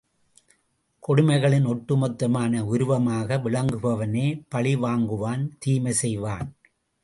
கொடுமைகளின் ஒட்டுமொத்தமான உருவமாக விளங்குபவனே பழிவாங்குவான் தீமை செய்வான்.